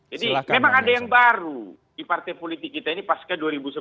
jadi memang ada yang baru di partai politik kita ini pasca dua ribu sebelas